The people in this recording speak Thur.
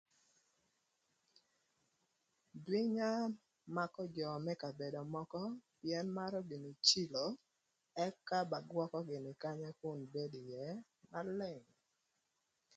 Jwïnya makö jö më kabedo mökö pïën marö gïnï cilo ëka ba gwökö gïnï kanya ebed ïë na leng.